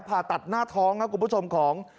ผ่าตัดหน้าท้องครับคุณผู้ชมของ